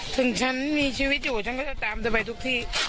ถึงฉันมีชีวิตอยู่ฉันก็จะตามเธอไปทุกที่